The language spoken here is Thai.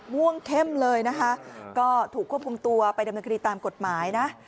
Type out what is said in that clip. ม่วงเข้มเลยนะคะก็ถูกควบคุมตัวไปดำเนินคดีตามกฎหมายนะ